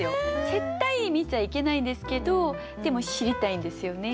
絶対見ちゃいけないんですけどでも知りたいんですよね。